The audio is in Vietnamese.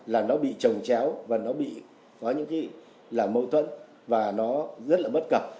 là nó bị trồng chéo và nó bị có những mâu thuẫn và nó rất là bất cập